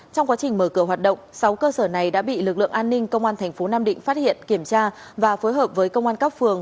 trong quá trình mở cửa hoạt động sáu cơ sở này đã bị lực lượng an ninh công an thành phố nam định phát hiện kiểm tra và phối hợp với công an các phường